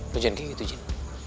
lo jangan kayak gitu jin